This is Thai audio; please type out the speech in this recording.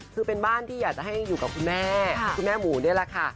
คือเป็นบ้านที่อยากจะให้อยู่กับคุณแม่คุณแม่หมูนี่แหละค่ะ